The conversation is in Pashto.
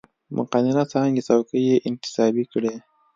مقننه څانګې څوکۍ یې انتصابي کړې.